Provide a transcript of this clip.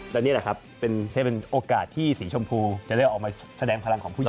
และนี่แหละครับให้เป็นโอกาสที่สีชมพูจะได้ออกมาแสดงพลังของผู้ใหญ่